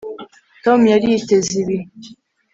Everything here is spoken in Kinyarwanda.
Tom yari yiteze ibi